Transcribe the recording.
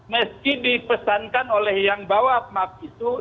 meski dipesankan oleh yang bawa maaf itu